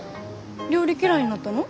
料理嫌いになったの？